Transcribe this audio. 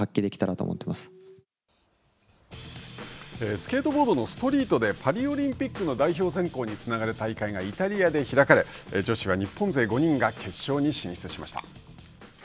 スケートボードのストリートでパリオリンピックの代表選考につながる大会がイタリアで開かれ女子は日本勢５人が決勝に進出しました。